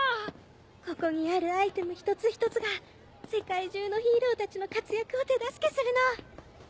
ここにあるアイテム一つ一つが世界中のヒーローたちの活躍を手助けするの。